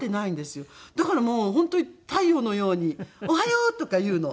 だからもう本当に太陽のように「おはよう！」とか言うの。